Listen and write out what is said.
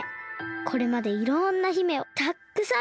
これまでいろんな姫をたっくさんみてきました。